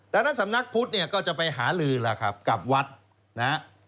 ดังนั้นสำนักพุทธก็จะไปหาลืนกับวัฒน์